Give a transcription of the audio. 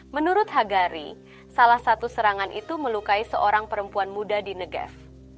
menurut hagari salah satu serangan itu melukai seorang perempuan muda di negef